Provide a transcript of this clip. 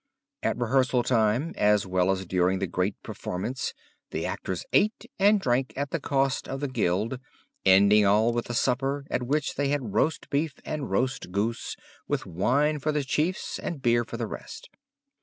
At rehearsal time, as well as during the great performance the actors ate and drank at the cost of the guild, ending all with a supper, at which they had roast beef and roast goose, with wine for the chiefs, and beer for the rest.